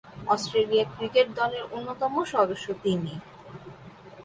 Australia cricket দলের অন্যতম সদস্য তিনি।